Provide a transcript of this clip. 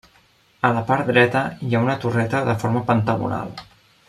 A la part dreta hi ha una torreta de forma pentagonal.